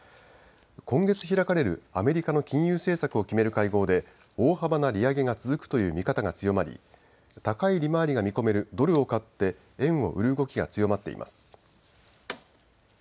今月開かれるアメリカの金融政策を決める会合で大幅な利上げが続くという見方が強まり高い利回りが見込めるドルを買って円を売る動きが強まっています。